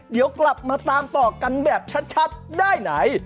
เดี๋ยวกลับมาตามต่อกันแบบชัดได้ไหน